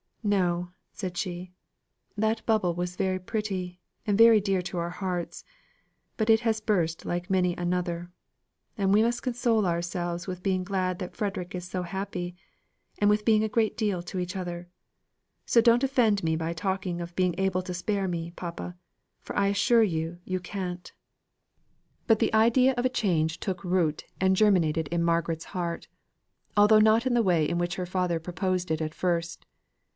No," said she, "that bubble was very pretty, and very dear to our hearts; but it has burst like many another; and we must console ourselves with being glad that Frederick is so happy, and with being a great deal to each other. So don't offend me by talking of being able to spare me, papa, for I assure you you can't." But the idea of a change took root and germinated in Margaret's heart, although not in the way in which her father proposed it at first.